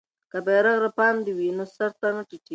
که بیرغ رپاند وي نو سر نه ټیټیږي.